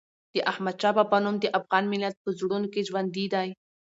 د احمدشاه بابا نوم د افغان ملت په زړونو کې ژوندي دی.